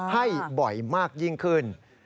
ให้บ่อยมากยิ่งขึ้น